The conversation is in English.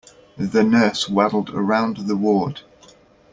The nurse waddled around the ward.